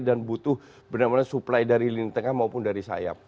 dan butuh benar benar supply dari lini tengah maupun dari sayap